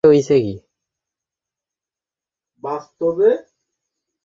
এসবের জের ধরে শনিবার সরদার পক্ষের লোকজন প্রকাশ্যে অস্ত্র নিয়ে হামলা চালায়।